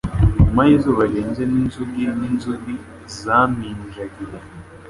Nyuma y'izuba rirenze n'inzugi n'inzugi zaminjagiye,